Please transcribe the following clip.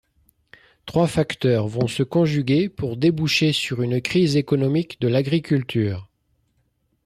Trois facteurs vont se conjuguer pour déboucher sur une crise économique de l'agriculture.